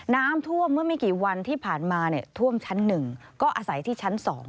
น้ำท่วมเมื่อไม่กี่วันที่ผ่านมาท่วมชั้น๑ก็อาศัยที่ชั้น๒